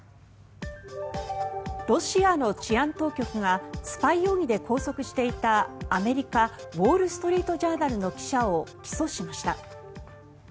ロシアの治安当局がスパイ容疑で拘束していたアメリカ、ウォール・ストリート・ジャーナルの記者を起訴しました。